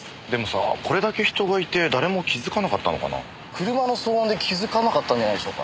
車の騒音で気づかなかったんじゃないでしょうか。